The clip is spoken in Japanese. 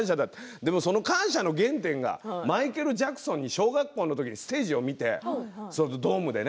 でもその感謝の原点がマイケル・ジャクソンのステージを小学校の時に見て東京ドームでね。